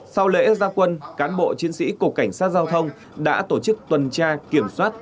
sau lễ gia quân cán bộ chiến sĩ cục cảnh sát giao thông đã tổ chức tuần tra kiểm soát